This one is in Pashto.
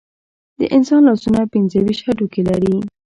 د انسان لاسونه پنځه ویشت هډوکي لري.